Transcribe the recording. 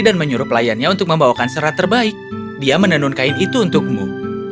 dia menunun kain itu untukmu